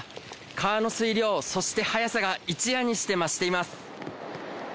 川の水量、そして速さが一夜にして増しています。